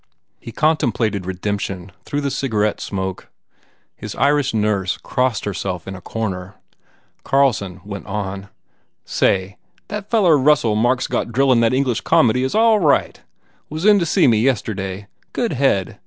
He contem plated redemption through the cigarette smoke. His Irish nurse crossed herself in a corner. Carlson went on, "Say, that feller Russell Mark s got drillin* that English comedy is all right. Was in to see me, yesterday. Good head.